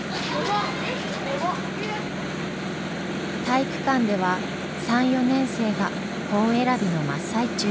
体育館では３４年生が本選びの真っ最中。